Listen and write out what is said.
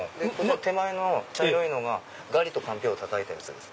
手前の茶色いのがガリとかんぴょうをたたいたやつです。